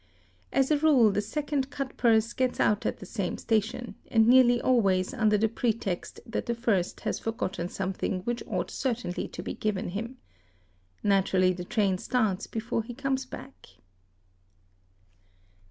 Asa rule the second cutpurse gets out at the same station, and nearly always under the pretext that the first has forgotten something which ought certainly to be given him. Naturally the train starts before he comes back.